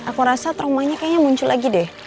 aku rasa traumanya kayaknya muncul lagi deh